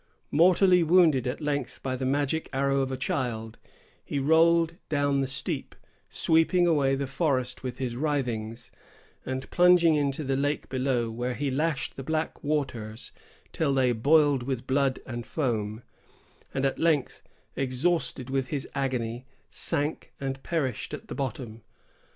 Mortally wounded at length by the magic arrow of a child, he rolled down the steep, sweeping away the forest with his writhings, and plunging into the lake below, where he lashed the black waters till they boiled with blood and foam, and at length, exhausted with his agony, sank, and perished at the bottom.